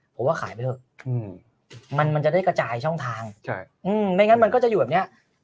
ผมว่าขายไปเถอะมันจะได้กระจายช่องทางไม่งั้นมันก็จะอยู่แบบเนี้ย